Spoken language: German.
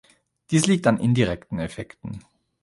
Dies liegt an indirekten Effekten.